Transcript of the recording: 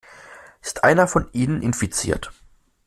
Ist einer von ihnen infiziert?